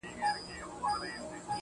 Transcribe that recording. د جنت د حورو ميري، جنت ټول درته لوگی سه~